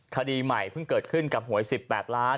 คดีใหม่เพิ่งเกิดขึ้นกับหวย๑๘ล้าน